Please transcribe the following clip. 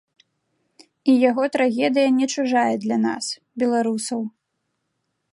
І яго трагедыя не чужая для нас, беларусаў.